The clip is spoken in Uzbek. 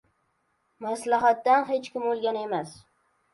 • Maslahatdan hech kim o‘lgan emas.